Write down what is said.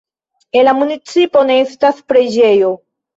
En la municipo ne estas preĝejo.